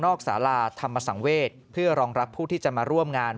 สาราธรรมสังเวศเพื่อรองรับผู้ที่จะมาร่วมงาน